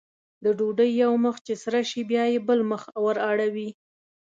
د ډوډۍ یو مخ چې سره شي بیا یې بل مخ ور اړوي.